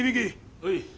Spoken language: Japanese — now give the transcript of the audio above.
はい。